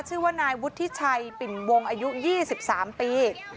ชื่อว่านายวุฒิชัยปิ่นวงอายุ๒๓ปี